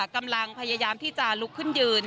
กำลังพยายามที่จะลุกขึ้นยืน